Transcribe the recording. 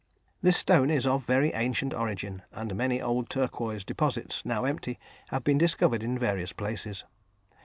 This stone is of very ancient origin, and many old turquoise deposits, now empty, have been discovered in various places.